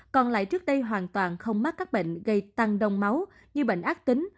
còn lại trước đây hoàn toàn không mắc các bệnh gây tăng đông máu như bệnh ác tính